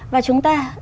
và chúng ta